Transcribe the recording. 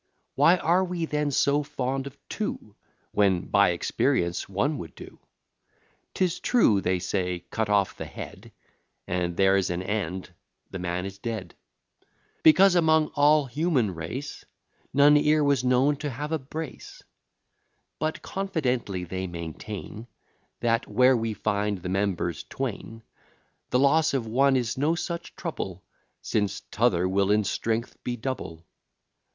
Why are we then so fond of two, When by experience one would do? 'Tis true, say they, cut off the head, And there's an end; the man is dead; Because, among all human race, None e'er was known to have a brace: But confidently they maintain, That where we find the members twain, The loss of one is no such trouble, Since t'other will in strength be double.